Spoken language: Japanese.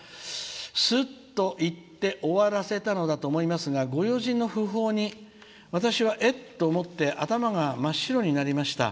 すっといって終わらせたのかと思いますがご友人の訃報に、私はえ？と思って頭が真っ白になりました。